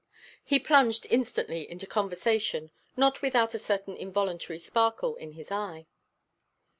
He plunged instantly into conversation, not without a certain involuntary sparkle in his eye.